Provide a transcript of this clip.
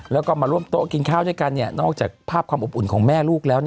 แล้วก็มาร่วมโต๊ะกินข้าวด้วยกันนอกจากภาพความอบอุ่นของแม่ลูกแล้ว